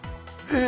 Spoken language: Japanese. え！